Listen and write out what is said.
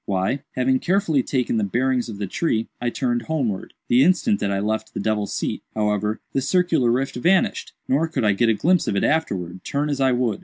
"Why, having carefully taken the bearings of the tree, I turned homewards. The instant that I left 'the devil's seat,' however, the circular rift vanished; nor could I get a glimpse of it afterwards, turn as I would.